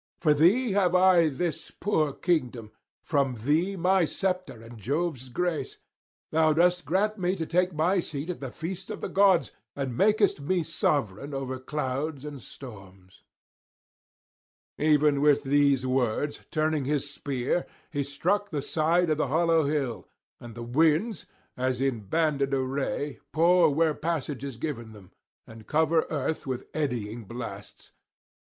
From thee have I this poor kingdom, from thee my sceptre and Jove's grace; thou dost grant me to take my seat at the feasts of the gods, and makest me sovereign over clouds and storms.' Even with these words, turning his spear, he struck the side of the hollow hill, and the winds, as in banded array, pour where passage is given them, and cover earth with eddying blasts.